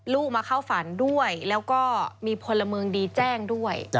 ลูกมาเข้าฝันด้วยแล้วก็มีพลเมืองดีแจ้งด้วย